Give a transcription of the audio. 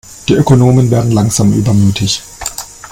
Die Ökonomen werden langsam übermütig.